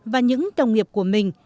và những đồng nghiệp của mình